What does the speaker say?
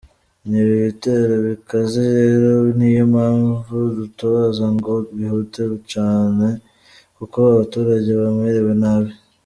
Ni ibitero bikaze rero niyo mpamvu dutabaza ngo bihute cyane kuko abaturage bamerewe nabi.